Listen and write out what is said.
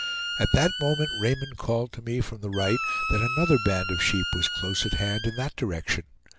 At that moment Raymond called to me from the right that another band of sheep was close at hand in that direction.